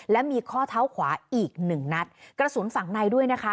และมีข้อเท้าขวาอีกหนึ่งนัดกระสุนฝั่งในด้วยนะคะ